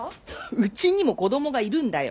うちにも子どもがいるんだよ。